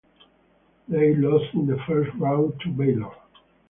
They lost in the first round to Baylor.